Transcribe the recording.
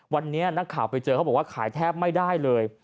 วันนี้นักข่าวไปเจอเขาบอกว่าขายแทบไม่ได้เลย